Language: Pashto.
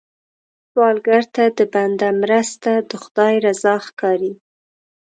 سوالګر ته د بنده مرسته، د خدای رضا ښکاري